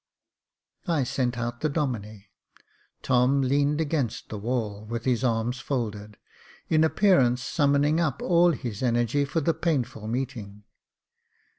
I sent out the Domine. Tom leant against the wall, with his arms folded, in appearance summoning up all his energy for the painful meeting.